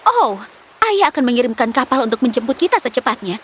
oh ayah akan mengirimkan kapal untuk menjemput kita secepatnya